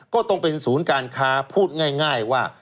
ก็ต้องเป็นศูนย์การค้าพูดง่ายว่า